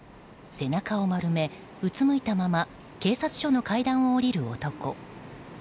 背中を丸め、うつむいたまま警察署の階段を降りる男。